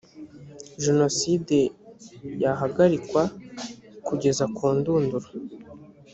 jenoside yahagarikwa kugeza kundunduro